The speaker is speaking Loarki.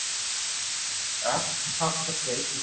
آپ ھي ھڻاو تو سھي